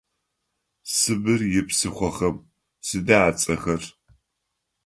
Сыбыр ипсыхъохэм сыда ацӏэхэр?